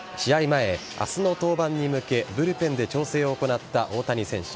前、明日の登板に向けブルペンで調整を行った大谷選手。